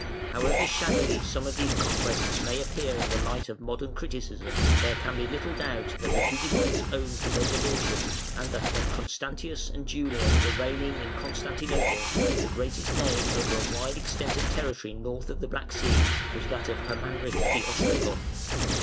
However shadowy some of these conquests may appear in the light of modern criticism, there can be little doubt that the Visigoths owned his over lordship, and that when Constantius and Julian were reigning in Constantinople, the greatest name over a wide extent of territory north of the Black Sea was that of Hermanric the Ostrogoth.